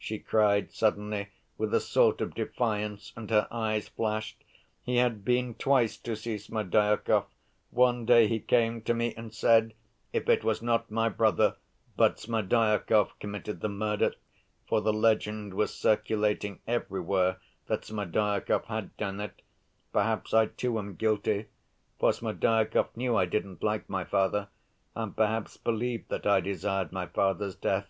she cried suddenly with a sort of defiance, and her eyes flashed. "He had been twice to see Smerdyakov. One day he came to me and said, 'If it was not my brother, but Smerdyakov committed the murder' (for the legend was circulating everywhere that Smerdyakov had done it), 'perhaps I too am guilty, for Smerdyakov knew I didn't like my father and perhaps believed that I desired my father's death.